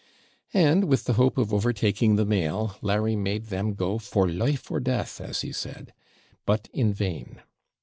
And, with the hope of overtaking the mail, Larry made them go 'for life or death,' as he said; but in vain!